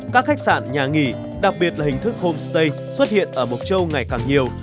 các khách sạn nhà nghỉ đặc biệt là hình thức homestay xuất hiện ở mộc châu ngày càng nhiều